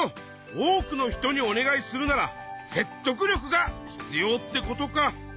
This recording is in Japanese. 多くの人にお願いするなら説得力が必要ってことか。